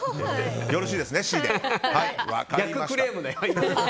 よろしいですね。